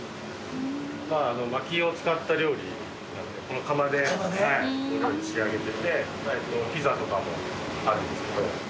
まきを使った料理なんでこの窯でお料理仕上げててピザとかもあるんですけど。